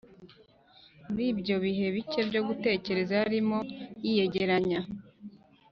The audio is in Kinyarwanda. muri ibyo bihe bike byo gutekereza yarimo yiyegeranya,